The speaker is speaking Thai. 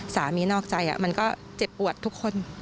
นอกใจมันก็เจ็บปวดทุกคน